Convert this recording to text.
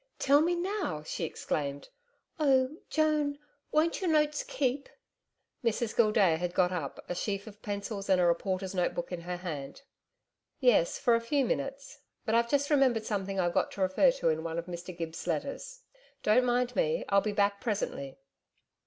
'Tell me now,' she exclaimed, 'Oh, Joan ... Won't your notes keep?' Mrs Gildea had got up, a sheaf of pencils and a reporter's note book in her hand. 'Yes, for a few minutes. But I've just remembered something I've got to refer to in one of Mr Gibbs' letters. Don't mind me; I'll be back presently.'